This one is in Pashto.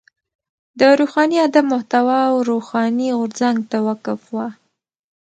د روښاني ادب محتوا و روښاني غورځنګ ته وقف وه.